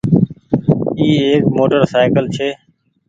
اي ايڪ موٽر سآئيڪل ڇي۔